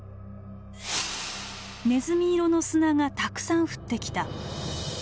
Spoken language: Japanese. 「ねずみ色の砂がたくさん降ってきた」。